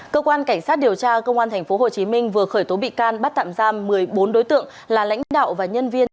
cơ quan cảnh sát điều tra công an tp hcm vừa khởi tố bị can bắt tạm giam một mươi bốn đối tượng là lãnh đạo và nhân viên